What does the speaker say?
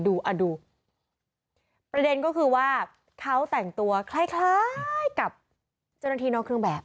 อ่ะดูประเด็นก็คือว่าเขาแต่งตัวคล้ายคล้ายกับเจ้าหน้าที่นอกเครื่องแบบ